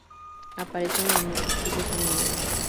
Aparecen en muchos filos animales.